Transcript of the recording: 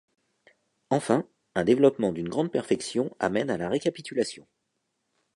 Enfin, un développement d’une grande perfection amène à la récapitulation.